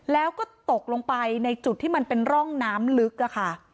แล้วก็ตกลงไปในจุดที่มันเป็นร่องน้ำลึกอะค่ะ